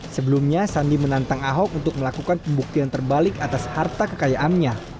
sebelumnya sandi menantang ahok untuk melakukan penyelidikan